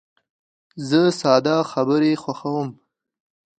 زه ساده خبرې خوښوم.